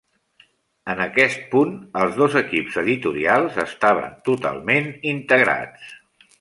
En aquest punt els dos equips editorials estaven totalment integrats.